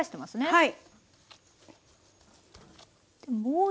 はい。